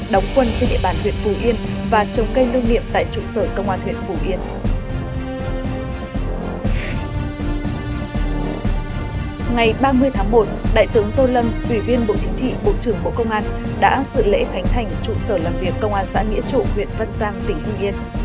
đóng quân trên địa bàn huyện phù yên và trồng cây lương niệm tại trụ sở công an huyện phù yên